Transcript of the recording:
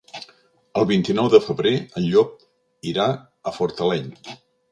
El vint-i-nou de febrer en Llop irà a Fortaleny.